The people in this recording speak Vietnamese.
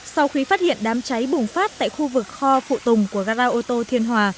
sau khi phát hiện đám cháy bùng phát tại khu vực kho phụ tùng của gara ô tô thiên hòa